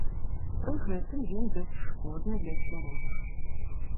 Пры гэтым ён бясшкодны для цвярозых.